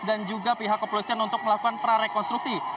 dan juga pihak kepolisian untuk melakukan prarekonstruksi